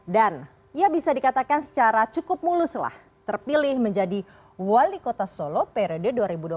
dan ia bisa dikatakan secara cukup muluslah terpilih menjadi wali kota solo periode dua ribu dua puluh satu dua ribu dua puluh empat